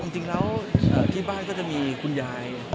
จริงแล้วที่บ้านก็จะมีคุณยาย